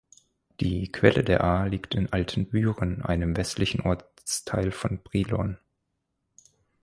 Die Quelle der Aa liegt in Altenbüren, einem westlichen Ortsteil von Brilon.